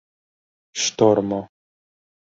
ŝtormo